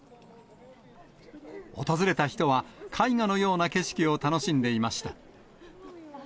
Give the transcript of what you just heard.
訪れた人は、絵画のような景色を楽しんでいました。